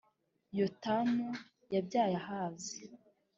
Yotamu yabyaye Ahazi,